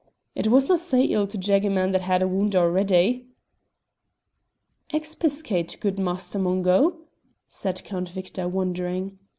"It wasna' sae ill to jag a man that had a wound already." "Expiscate, good Master Mungo," said Count Victor, wondering.